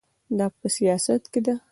دا په سیاست کې ده.